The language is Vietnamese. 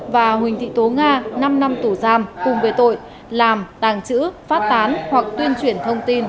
và huỳnh thị tố nga năm năm tù giam cùng về tội làm tàng trữ phát tán hoặc tuyên truyền thông tin